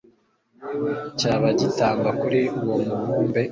cyaba gitamba kuri uwomubumbe